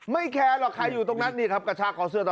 แคร์หรอกใครอยู่ตรงนั้นนี่ครับกระชากคอเสื้อต่อ